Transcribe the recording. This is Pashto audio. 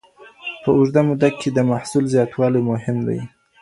په اوږده موده کي د محصول زیاتوالی مهم دی.